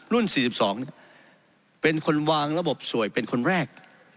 รุ่นสี่สิบสองเป็นคนวางระบบสวยเป็นคนแรก